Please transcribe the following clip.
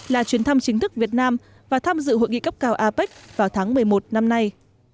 là chuyến thăm chính thức việt nam và tham dự hội nghị cấp cao apec vào tháng một mươi một năm nay